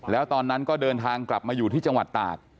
แล้วตอนนั้นก็เดินทางกลับมาอยู่ที่จังหวัดตาก